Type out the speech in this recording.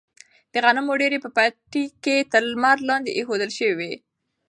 د غنمو ډیرۍ په پټي کې تر لمر لاندې ایښودل شوې وه.